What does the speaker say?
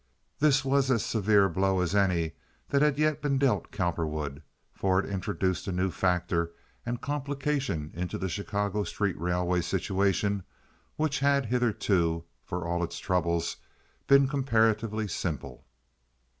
This was as severe a blow as any that had yet been dealt Cowperwood, for it introduced a new factor and complication into the Chicago street railway situation which had hitherto, for all its troubles, been comparatively simple.